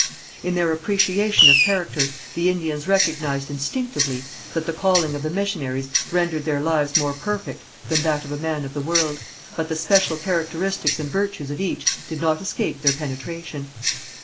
In their appreciation of character, the Indians recognized instinctively that the calling of the missionaries rendered their lives more perfect than that of a man of the world, but the special characteristics and virtues of each did not escape their penetration.